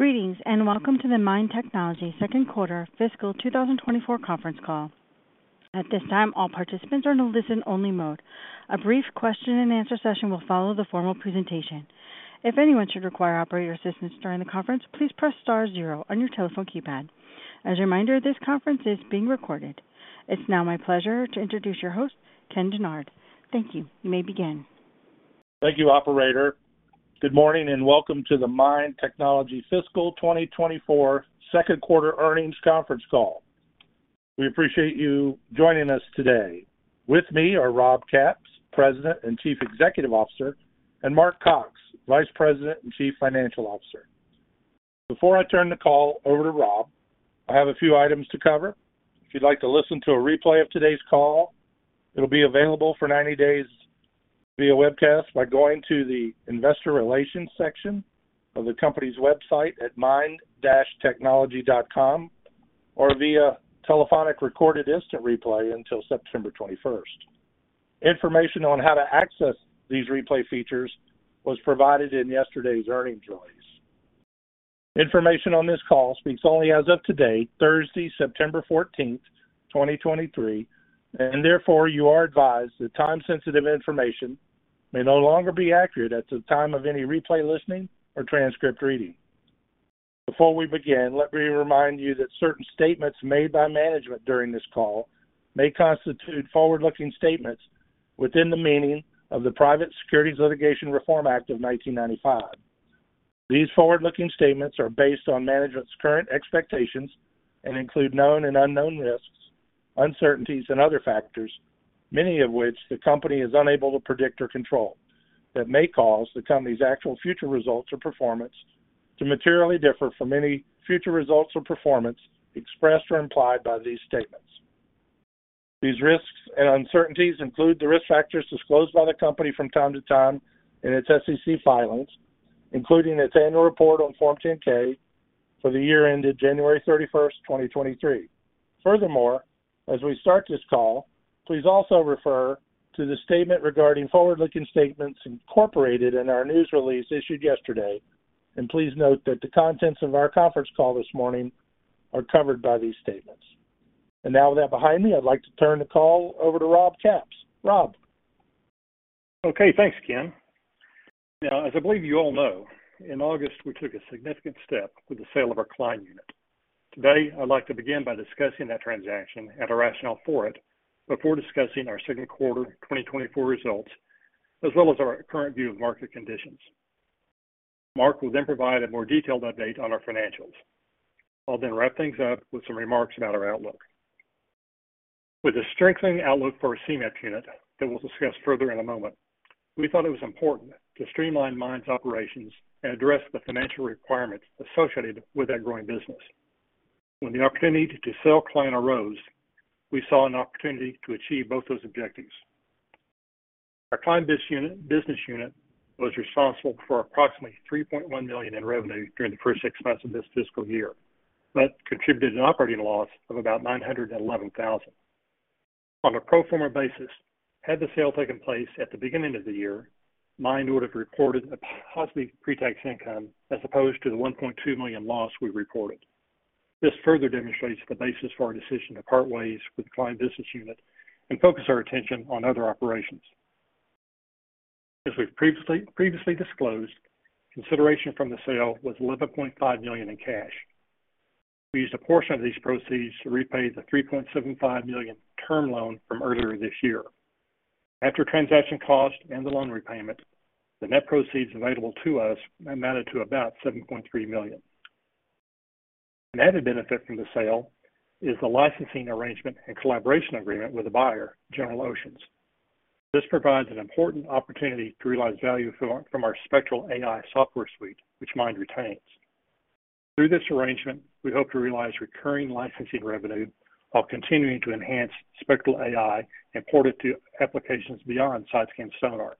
Greetings, and welcome to the MIND Technology second quarter fiscal 2024 conference call. At this time, all participants are in a listen-only mode. A brief question and answer session will follow the formal presentation. If anyone should require operator assistance during the conference, please press star zero on your telephone keypad. As a reminder, this conference is being recorded. It's now my pleasure to introduce your host, Ken Dennard. Thank you. You may begin. Thank you, operator. Good morning, and welcome to the MIND Technology Fiscal 2024 second quarter earnings conference call. We appreciate you joining us today. With me are Robert Capps, President and Chief Executive Officer, and Mark Cox, Vice President and Chief Financial Officer. Before I turn the call over to Rob, I have a few items to cover. If you'd like to listen to a replay of today's call, it'll be available for 90 days via webcast by going to the Investor Relations section of the company's website at mind-technology.com, or via telephonic recorded instant replay until September twenty-first. Information on how to access these replay features was provided in yesterday's earnings release. Information on this call speaks only as of today, Thursday, September 14, 2023, and therefore you are advised that time-sensitive information may no longer be accurate at the time of any replay, listening, or transcript reading. Before we begin, let me remind you that certain statements made by management during this call may constitute forward-looking statements within the meaning of the Private Securities Litigation Reform Act of 1995. These forward-looking statements are based on management's current expectations and include known and unknown risks, uncertainties, and other factors, many of which the company is unable to predict or control, that may cause the company's actual future results or performance to materially differ from any future results or performance expressed or implied by these statements. These risks and uncertainties include the risk factors disclosed by the company from time to time in its SEC filings, including its annual report on Form 10-K for the year ended January 31st, 2023. Furthermore, as we start this call, please also refer to the statement regarding forward-looking statements incorporated in our news release issued yesterday, and please note that the contents of our conference call this morning are covered by these statements. And now with that behind me, I'd like to turn the call over to Rob Capps. Rob? Okay, thanks, Ken. Now, as I believe you all know, in August, we took a significant step with the sale of our Klein unit. Today, I'd like to begin by discussing that transaction and our rationale for it before discussing our second quarter 2024 results, as well as our current view of market conditions. Mark will then provide a more detailed update on our financials. I'll then wrap things up with some remarks about our outlook. With a strengthening outlook for our Seamap unit that we'll discuss further in a moment, we thought it was important to streamline MIND's operations and address the financial requirements associated with that growing business. When the opportunity to sell Klein arose, we saw an opportunity to achieve both those objectives. Our Klein unit, business unit, was responsible for approximately $3.1 million in revenue during the first six months of this fiscal year, but contributed an operating loss of about $911,000. On a pro forma basis, had the sale taken place at the beginning of the year, MIND would have reported a positive pre-tax income as opposed to the $1.2 million loss we reported. This further demonstrates the basis for our decision to part ways with the Klein business unit and focus our attention on other operations. As we've previously disclosed, consideration from the sale was $11.5 million in cash. We used a portion of these proceeds to repay the $3.75 million term loan from earlier this year. After transaction costs and the loan repayment, the net proceeds available to us amounted to about $7.3 million. An added benefit from the sale is the licensing arrangement and collaboration agreement with the buyer, General Oceans. This provides an important opportunity to realize value from our Spectral AI software suite, which MIND retains. Through this arrangement, we hope to realize recurring licensing revenue while continuing to enhance Spectral AI and port it to applications beyond side-scan sonar.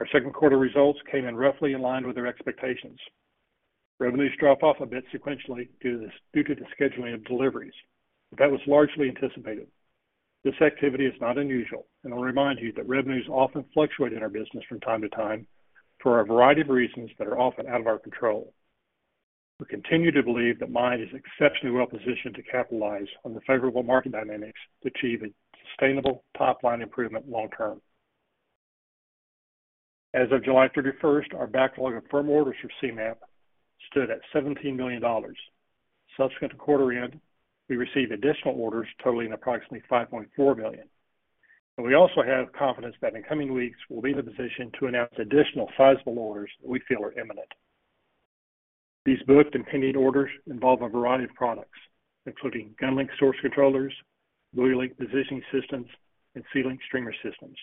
Our second quarter results came in roughly in line with our expectations. Revenues dropped off a bit sequentially due to the scheduling of deliveries. That was largely anticipated. This activity is not unusual, and I'll remind you that revenues often fluctuate in our business from time to time for a variety of reasons that are often out of our control. We continue to believe that MIND is exceptionally well positioned to capitalize on the favorable market dynamics to achieve a sustainable top-line improvement long term. As of July 31, our backlog of firm orders for Seamap stood at $17 million. Subsequent to quarter end, we received additional orders totaling approximately $5.4 million. We also have confidence that in the coming weeks, we'll be in a position to announce additional sizable orders that we feel are imminent. These booked and pending orders involve a variety of products, including GunLink source controllers, BuoyLink positioning systems, and SeaLink streamer systems.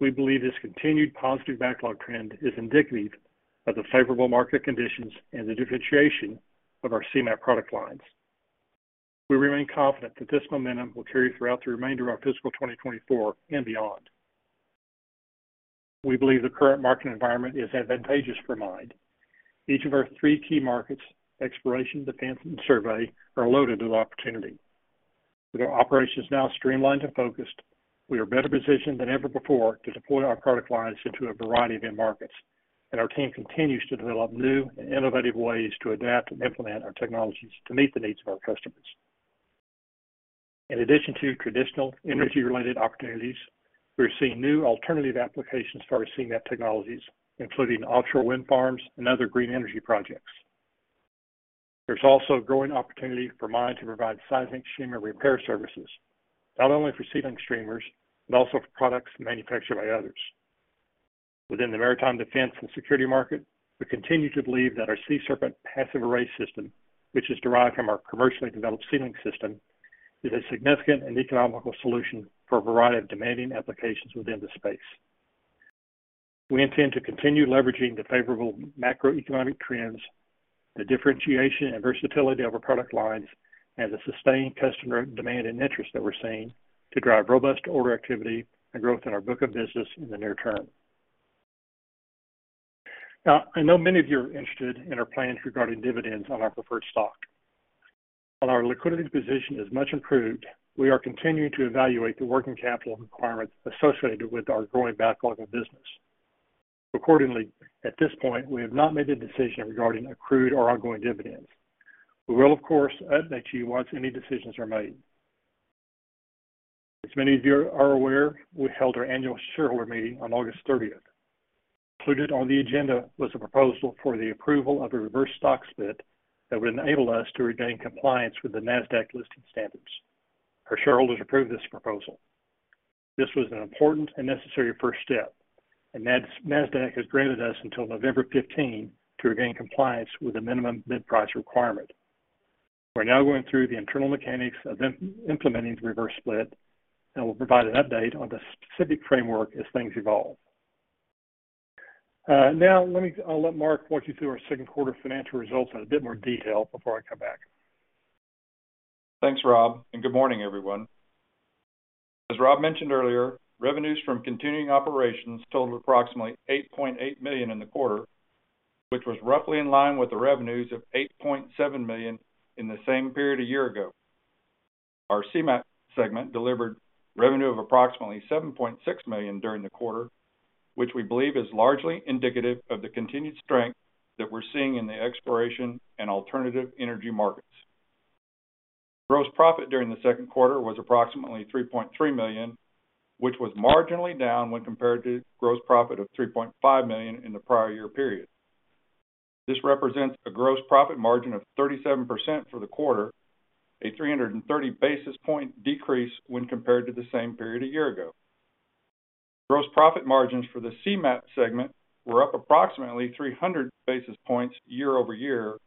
We believe this continued positive backlog trend is indicative of the favorable market conditions and the differentiation of our Seamap product lines. We remain confident that this momentum will carry throughout the remainder of our fiscal 2024 and beyond. We believe the current market environment is advantageous for MIND. Each of our three key markets, exploration, defense, and survey, are loaded with opportunity.... With our operations now streamlined and focused, we are better positioned than ever before to deploy our product lines into a variety of end markets, and our team continues to develop new and innovative ways to adapt and implement our technologies to meet the needs of our customers. In addition to traditional energy-related opportunities, we're seeing new alternative applications for our Seamap technologies, including offshore wind farms and other green energy projects. There's also a growing opportunity for MIND to provide seismic streamer repair services, not only for seismic streamers, but also for products manufactured by others. Within the maritime defense and security market, we continue to believe that our SeaSerpent passive array system, which is derived from our commercially developed SeaLink system, is a significant and economical solution for a variety of demanding applications within the space. We intend to continue leveraging the favorable macroeconomic trends, the differentiation and versatility of our product lines, and the sustained customer demand and interest that we're seeing to drive robust order activity and growth in our book of business in the near term. Now, I know many of you are interested in our plans regarding dividends on our preferred stock. While our liquidity position is much improved, we are continuing to evaluate the working capital requirements associated with our growing backlog of business. Accordingly, at this point, we have not made a decision regarding accrued or ongoing dividends. We will, of course, update you once any decisions are made. As many of you are aware, we held our annual shareholder meeting on August thirtieth. Included on the agenda was a proposal for the approval of a reverse stock split that would enable us to regain compliance with the NASDAQ listing standards. Our shareholders approved this proposal. This was an important and necessary first step, and NASDAQ has granted us until November fifteen to regain compliance with the minimum bid price requirement. We're now going through the internal mechanics of implementing the reverse split, and we'll provide an update on the specific framework as things evolve. Now, I'll let Mark walk you through our second quarter financial results in a bit more detail before I come back. Thanks, Rob, and good morning, everyone. As Rob mentioned earlier, revenues from continuing operations totaled approximately $8.8 million in the quarter, which was roughly in line with the revenues of $8.7 million in the same period a year ago. Our Seamap segment delivered revenue of approximately $7.6 million during the quarter, which we believe is largely indicative of the continued strength that we're seeing in the exploration and alternative energy markets. Gross profit during the second quarter was approximately $3.3 million, which was marginally down when compared to gross profit of $3.5 million in the prior year period. This represents a gross profit margin of 37% for the quarter, a 330 basis point decrease when compared to the same period a year ago. Gross profit margins for the Seamap segment were up approximately 300 basis points year-over-year,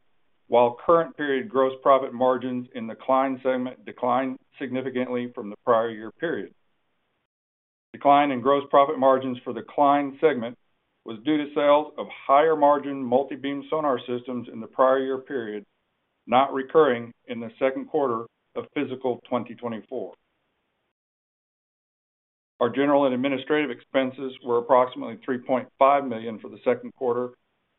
while current period gross profit margins in the Klein segment declined significantly from the prior year period. Decline in gross profit margins for the Klein segment was due to sales of higher-margin multi-beam sonar systems in the prior year period, not recurring in the second quarter of fiscal 2024. Our general and administrative expenses were approximately $3.5 million for the second quarter,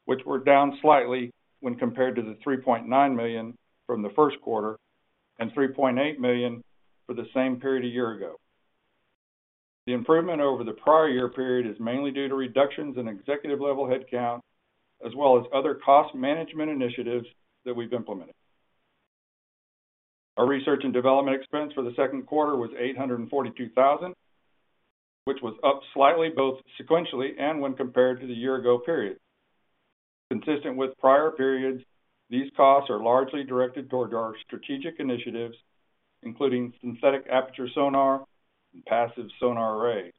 which were down slightly when compared to the $3.9 million from the first quarter, and $3.8 million for the same period a year ago. The improvement over the prior year period is mainly due to reductions in executive-level headcount, as well as other cost management initiatives that we've implemented. Our research and development expense for the second quarter was $842,000, which was up slightly, both sequentially and when compared to the year-ago period. Consistent with prior periods, these costs are largely directed towards our strategic initiatives, including synthetic aperture sonar and passive sonar array.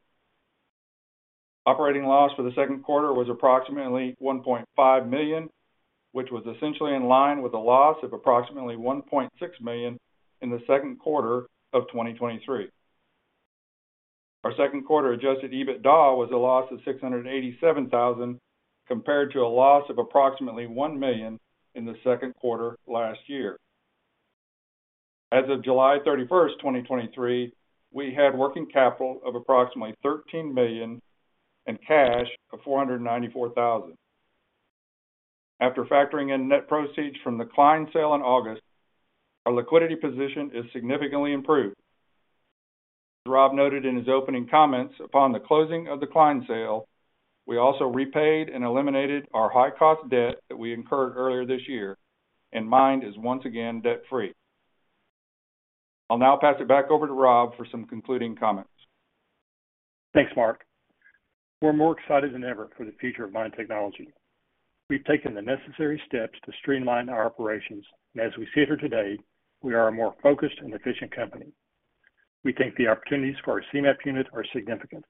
Operating loss for the second quarter was approximately $1.5 million, which was essentially in line with a loss of approximately $1.6 million in the second quarter of 2023. Our second quarter Adjusted EBITDA was a loss of $687,000, compared to a loss of approximately $1 million in the second quarter last year. As of July 31, 2023, we had working capital of approximately $13 million and cash of $494,000. After factoring in net proceeds from the Klein sale in August, our liquidity position is significantly improved. As Rob noted in his opening comments, upon the closing of the Klein sale, we also repaid and eliminated our high-cost debt that we incurred earlier this year, and MIND is once again debt-free. I'll now pass it back over to Rob for some concluding comments. Thanks, Mark. We're more excited than ever for the future of MIND Technology. We've taken the necessary steps to streamline our operations, and as we sit here today, we are a more focused and efficient company. We think the opportunities for our Seamap unit are significant.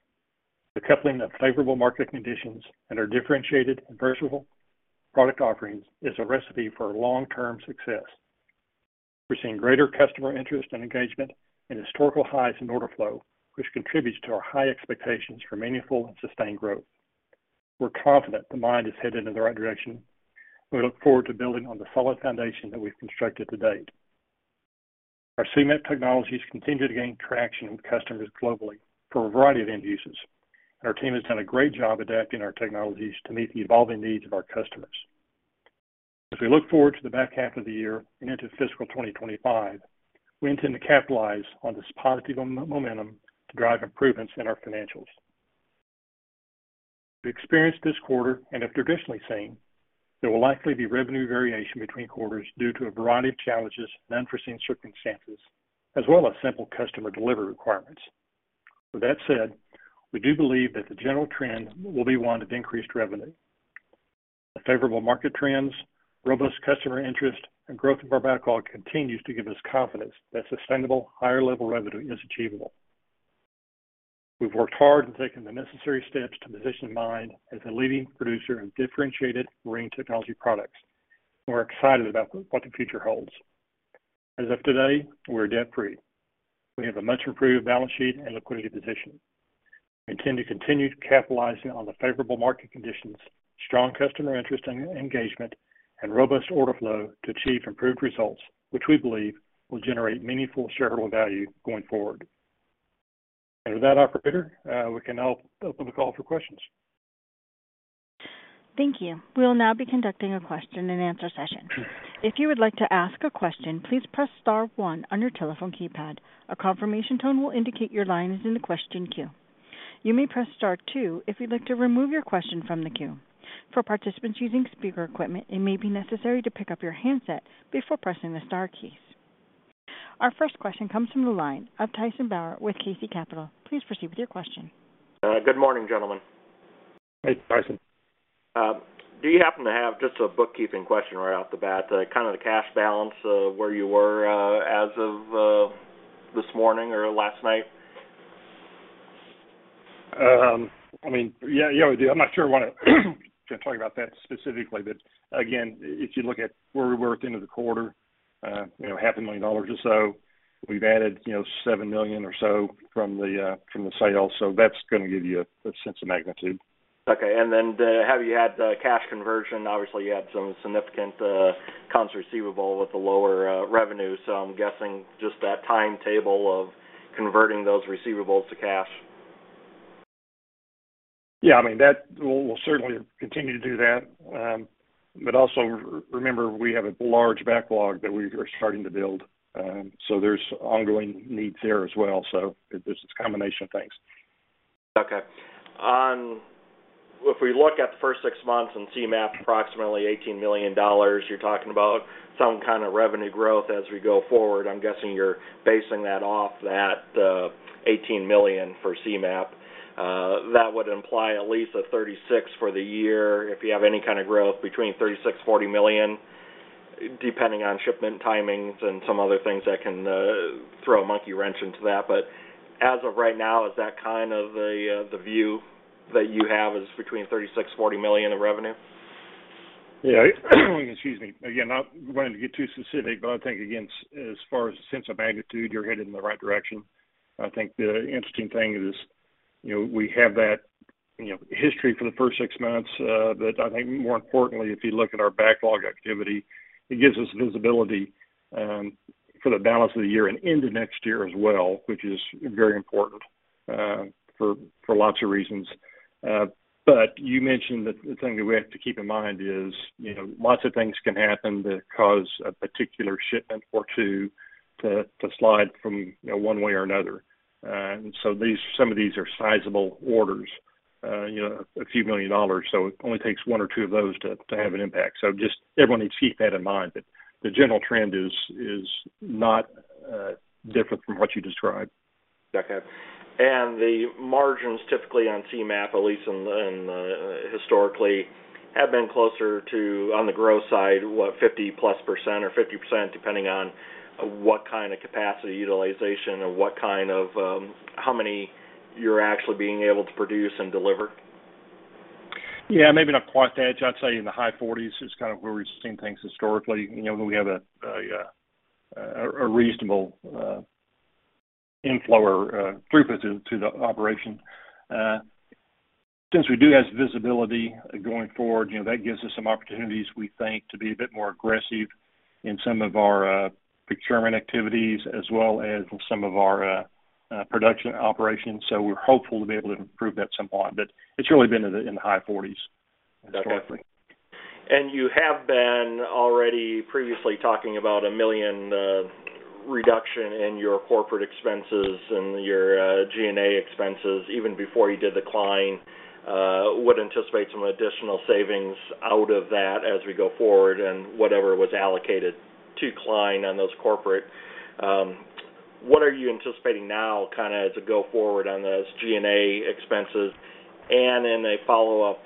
The coupling of favorable market conditions and our differentiated and versatile product offerings is a recipe for long-term success. We're seeing greater customer interest and engagement and historical highs in order flow, which contributes to our high expectations for meaningful and sustained growth. We're confident that MIND is headed in the right direction, and we look forward to building on the solid foundation that we've constructed to date. Our Seamap technologies continue to gain traction with customers globally for a variety of end uses, and our team has done a great job adapting our technologies to meet the evolving needs of our customers. As we look forward to the back half of the year and into fiscal 2025, we intend to capitalize on this positive momentum to drive improvements in our financials. We experienced this quarter, and have traditionally seen, there will likely be revenue variation between quarters due to a variety of challenges and unforeseen circumstances, as well as simple customer delivery requirements. With that said, we do believe that the general trend will be one of increased revenue. The favorable market trends, robust customer interest, and growth of our backlog continues to give us confidence that sustainable higher level revenue is achievable. We've worked hard in taking the necessary steps to position MIND as a leading producer in differentiated marine technology products. We're excited about what the future holds. As of today, we're debt-free. We have a much improved balance sheet and liquidity position. We intend to continue capitalizing on the favorable market conditions, strong customer interest and engagement, and robust order flow to achieve improved results, which we believe will generate meaningful shareholder value going forward. And with that, operator, we can now open the call for questions. Thank you. We will now be conducting a question and answer session. If you would like to ask a question, please press star one on your telephone keypad. A confirmation tone will indicate your line is in the question queue. You may press star two if you'd like to remove your question from the queue. For participants using speaker equipment, it may be necessary to pick up your handset before pressing the star keys. Our first question comes from the line of Tyson Bauer with KC Capital. Please proceed with your question. Good morning, gentlemen. Hey, Tyson. Do you happen to have just a bookkeeping question right off the bat, kind of the cash balance, where you were, as of this morning or last night? I mean, yeah, yeah, we do. I'm not sure I want to talk about that specifically. But again, if you look at where we were at the end of the quarter, you know, $500,000 or so, we've added, you know, $7 million or so from the, from the sale. So that's going to give you a sense of magnitude. Okay. And then, have you had cash conversion? Obviously, you had some significant accounts receivable with the lower revenue. So I'm guessing just that timetable of converting those receivables to cash. Yeah, I mean, we'll certainly continue to do that. But also, remember, we have a large backlog that we are starting to build, so there's ongoing needs there as well. So it's a combination of things. Okay. If we look at the first six months in Seamap, approximately $18 million, you're talking about some kind of revenue growth as we go forward. I'm guessing you're basing that off that, $18 million for Seamap. That would imply at least a 36 for the year. If you have any kind of growth between 36, 40 million, depending on shipment timings and some other things that can, throw a monkey wrench into that. But as of right now, is that kind of the, the view that you have is between $36-$40 million in revenue? Yeah. Excuse me. Again, not wanting to get too specific, but I think, again, as far as the sense of magnitude, you're headed in the right direction. I think the interesting thing is, you know, we have that, you know, history for the first six months, but I think more importantly, if you look at our backlog activity, it gives us visibility for the balance of the year and into next year as well, which is very important for lots of reasons. But you mentioned that the thing that we have to keep in mind is, you know, lots of things can happen that cause a particular shipment or two to slide from, you know, one way or another. So these—some of these are sizable orders, you know, $a few million, so it only takes one or two of those to, to have an impact. So just everyone needs to keep that in mind, but the general trend is, is not different from what you described. Okay. And the margins typically on Seamap, at least in the, in the historically, have been closer to, on the growth side, what, 50+% or 50%, depending on what kind of capacity utilization or what kind of, how many you're actually being able to produce and deliver? Yeah, maybe not quite that. I'd say in the high forties is kind of where we've seen things historically. You know, we have a reasonable inflow or throughput to the operation. Since we do have visibility going forward, you know, that gives us some opportunities, we think, to be a bit more aggressive in some of our procurement activities as well as some of our production operations. So we're hopeful to be able to improve that some more. But it's really been in the high forties. Okay. And you have been already previously talking about $1 million reduction in your corporate expenses and your G&A expenses even before you did the Klein. Would anticipate some additional savings out of that as we go forward and whatever was allocated to Klein on those corporate. What are you anticipating now kind of as a go forward on those G&A expenses? And in a follow-up,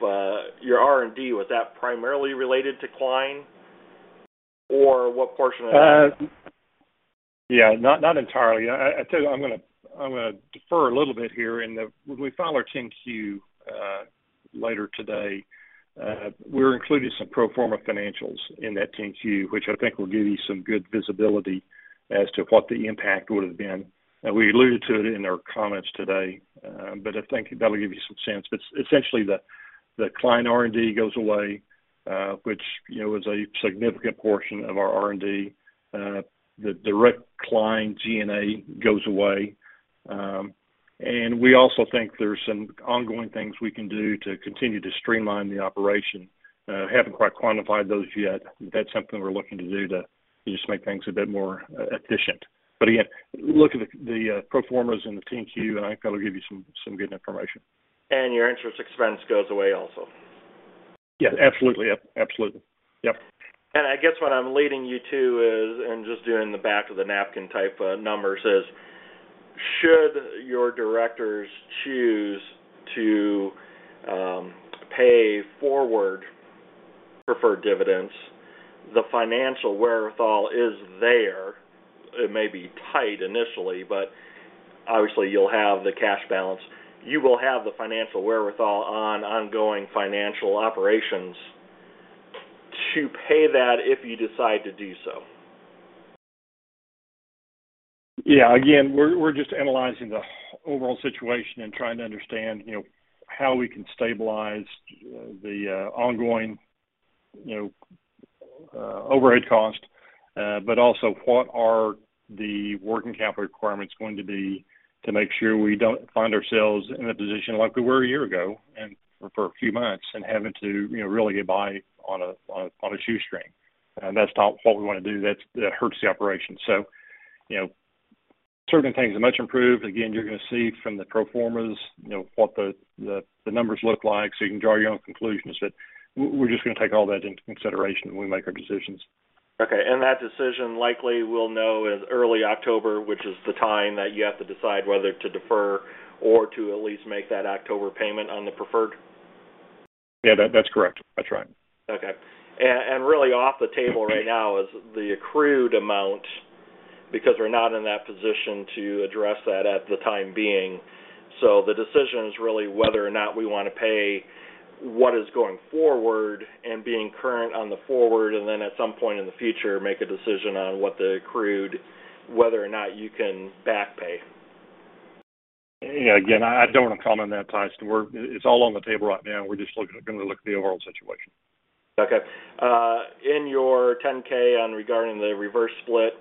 your R&D, was that primarily related to Klein, or what portion of that? Yeah, not entirely. I tell you, I'm going to defer a little bit here. When we file our 10-Q later today, we're including some pro forma financials in that 10-Q, which I think will give you some good visibility as to what the impact would have been. And we alluded to it in our comments today, but I think that'll give you some sense. But essentially, the Klein R&D goes away, which, you know, is a significant portion of our R&D. The direct Klein G&A goes away. And we also think there's some ongoing things we can do to continue to streamline the operation. Haven't quite quantified those yet. That's something we're looking to do to just make things a bit more efficient. But again, look at the pro formas in the 10-Q, and I think that'll give you some good information. Your interest expense goes away also? Yeah, absolutely. Absolutely. Yep. I guess what I'm leading you to is, and just doing the back of the napkin type numbers, is should your directors choose to pay forward preferred dividends, the financial wherewithal is there. It may be tight initially, but obviously, you'll have the cash balance. You will have the financial wherewithal on ongoing financial operations to pay that if you decide to do so. Yeah, again, we're just analyzing the overall situation and trying to understand, you know, how we can stabilize the ongoing, you know, overhead cost, but also what are the working capital requirements going to be to make sure we don't find ourselves in a position like we were a year ago and for a few months, and having to, you know, really get by on a shoestring. And that's not what we want to do. That's--that hurts the operation. So, you know, certain things are much improved. Again, you're gonna see from the pro formas, you know, what the numbers look like, so you can draw your own conclusions. But we're just gonna take all that into consideration when we make our decisions. Okay. That decision likely we'll know as early October, which is the time that you have to decide whether to defer or to at least make that October payment on the preferred? Yeah, that, that's correct. That's right. Okay. And really off the table right now is the accrued amount, because we're not in that position to address that at the time being. So the decision is really whether or not we want to pay what is going forward and being current on the forward, and then at some point in the future, make a decision on what the accrued, whether or not you can back pay. Yeah. Again, I don't want to comment on that, Tyson. We're. It's all on the table right now, and we're just looking, gonna look at the overall situation. Okay. In your 10-K regarding the reverse split,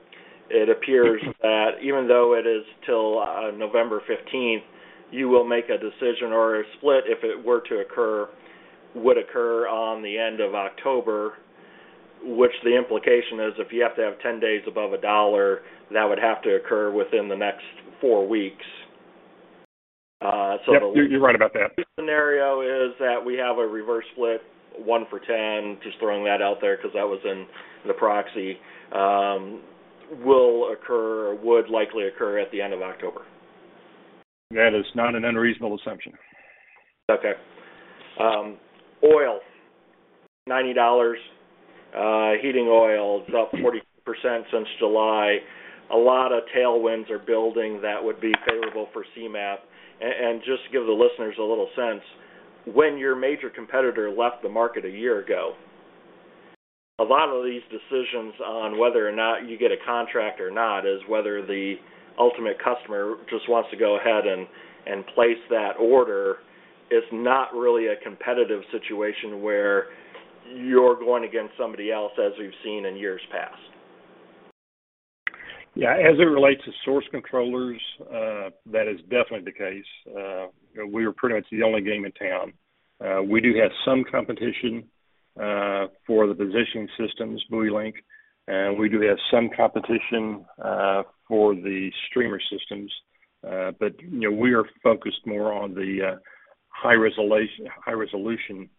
it appears that even though it is till November fifteenth, you will make a decision or a split, if it were to occur, would occur at the end of October, which the implication is if you have to have 10 days above $1, that would have to occur within the next four weeks. So- Yep, you're right about that. The scenario is that we have a reverse split, 1-for-10, just throwing that out there because that was in the proxy, will occur or would likely occur at the end of October. That is not an unreasonable assumption. Okay. Oil $90, heating oil is up 40% since July. A lot of tailwinds are building that would be favorable for Seamap. And just to give the listeners a little sense, when your major competitor left the market a year ago, a lot of these decisions on whether or not you get a contract or not is whether the ultimate customer just wants to go ahead and place that order, is not really a competitive situation where you're going against somebody else, as we've seen in years past. Yeah. As it relates to source controllers, that is definitely the case. We are pretty much the only game in town. We do have some competition for the positioning systems, Buoy Link, and we do have some competition for the streamer systems. But, you know, we are focused more on the high resolution, high resolution,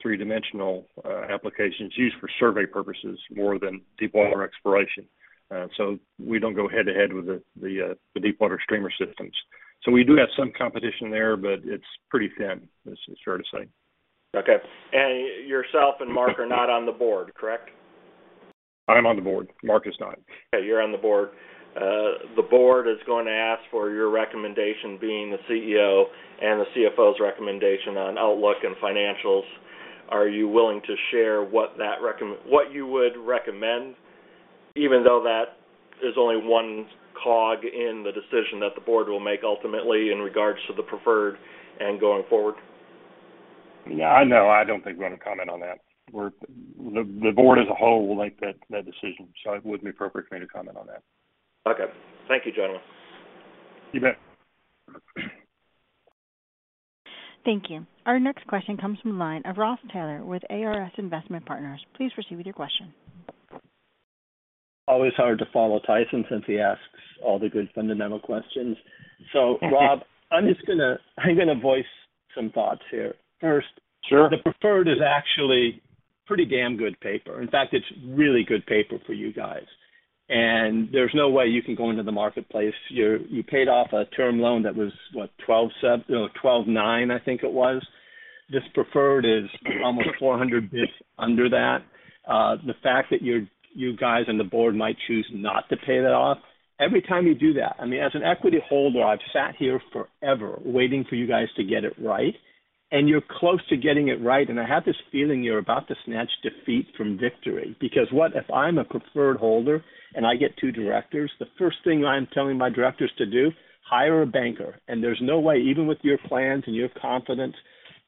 three-dimensional applications used for survey purposes more than deep water exploration. So we don't go head-to-head with the deep water streamer systems. So we do have some competition there, but it's pretty thin, it's fair to say. Okay. Yourself and Mark are not on the board, correct? I'm on the board. Mark is not. Okay, you're on the board. The board is going to ask for your recommendation, being the CEO and the CFO's recommendation on outlook and financials. Are you willing to share what that... What you would recommend, even though that is only one cog in the decision that the board will make ultimately in regards to the preferred and going forward? Yeah, I know. I don't think we're going to comment on that. The board as a whole will make that decision, so it wouldn't be appropriate for me to comment on that. Okay. Thank you, gentlemen. You bet. Thank you. Our next question comes from the line of Ross Taylor with ARS Investment Partners. Please proceed with your question. Always hard to follow Tyson, since he asks all the good fundamental questions. Okay. So Rob, I'm just gonna voice some thoughts here. First- Sure. The preferred is actually pretty damn good paper. In fact, it's really good paper for you guys, and there's no way you can go into the marketplace. You paid off a term loan that was, what? $12.9, I think it was. This preferred is almost 400 bits under that. The fact that you guys and the board might choose not to pay that off, every time you do that, I mean, as an equity holder, I've sat here forever waiting for you guys to get it right, and you're close to getting it right, and I have this feeling you're about to snatch defeat from victory. Because what if I'm a preferred holder and I get two directors? The first thing I'm telling my directors to do, hire a banker, and there's no way, even with your plans and your confidence...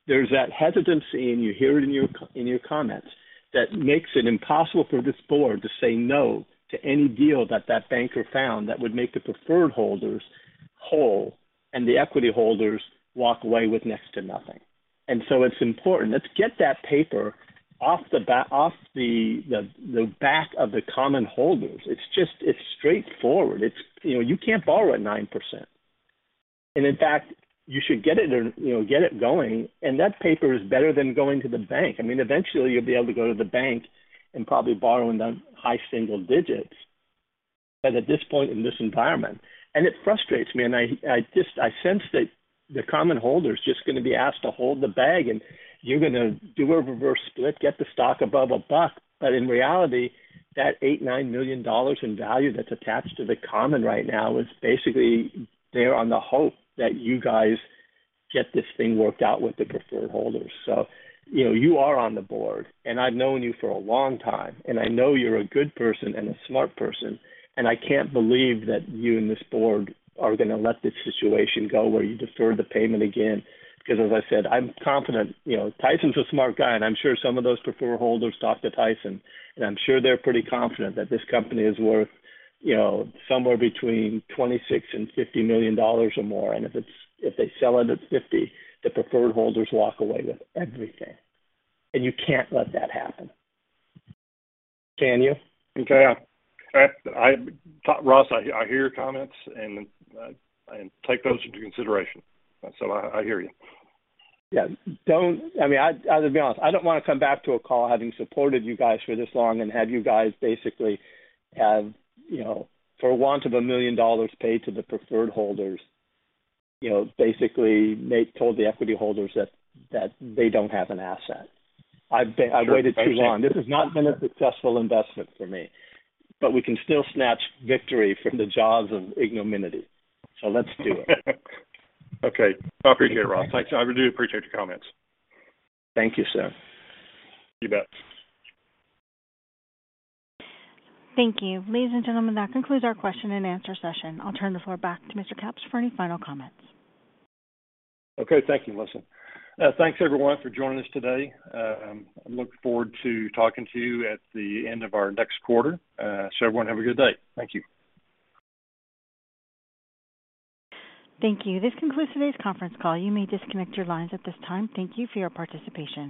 There's that hesitancy, and you hear it in your comments, that makes it impossible for this board to say no to any deal that banker found that would make the preferred holders whole and the equity holders walk away with next to nothing. And so it's important. Let's get that paper off the back of the common holders. It's just, it's straightforward. It's, you know, you can't borrow at 9%. And in fact, you should get it, you know, get it going, and that paper is better than going to the bank. I mean, eventually you'll be able to go to the bank and probably borrow in the high single digits. But at this point in this environment, and it frustrates me, and I just, I sense that the common holder is just going to be asked to hold the bag, and you're going to do a reverse split, get the stock above $1. But in reality, that $8-$9 million in value that's attached to the common right now is basically there on the hope that you guys get this thing worked out with the preferred holders. So, you know, you are on the board, and I've known you for a long time, and I know you're a good person and a smart person, and I can't believe that you and this board are going to let this situation go where you defer the payment again. Because as I said, I'm confident, you know, Tyson's a smart guy, and I'm sure some of those preferred holders talk to Tyson, and I'm sure they're pretty confident that this company is worth, you know, somewhere between $26 million and $50 million or more. And if they sell it at $50 million, the preferred holders walk away with everything. And you can't let that happen. Can you? Okay, Ross, I hear your comments and take those into consideration. So I hear you. Yeah. Don't... I mean, I, I'll be honest, I don't want to come back to a call having supported you guys for this long and have you guys basically have, you know, for want of $1 million paid to the preferred holders, you know, basically make, told the equity holders that, that they don't have an asset. I've been- Sure. I've waited too long. This has not been a successful investment for me, but we can still snatch victory from the jaws of ignominy, so let's do it. Okay. I appreciate it, Ross. Thanks. I really do appreciate your comments. Thank you, sir. You bet. Thank you. Ladies and gentlemen, that concludes our question and answer session. I'll turn the floor back to Mr. Capps for any final comments. Okay. Thank you, Melissa. Thanks everyone for joining us today. I look forward to talking to you at the end of our next quarter. So everyone, have a good day. Thank you. Thank you. This concludes today's conference call. You may disconnect your lines at this time. Thank you for your participation.